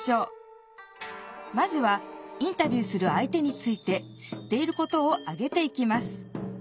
まずはインタビューする相手について知っていることをあげていきます